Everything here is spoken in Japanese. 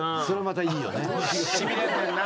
それまたいいよね。